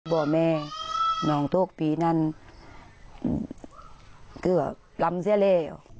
บอกแม่น้องโทษปีนั้นคือลำเสียเล่ว